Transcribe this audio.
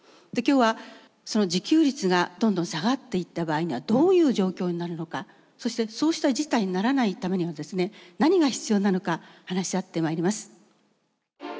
今日はその自給率がどんどん下がっていった場合にはどういう状況になるのかそしてそうした事態にならないためにはですね何が必要なのか話し合ってまいります。